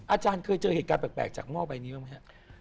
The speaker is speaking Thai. อาจารย์เคยเจอเหตุการณ์แปลกจากหม้อใบนี้บ้างไหมครับ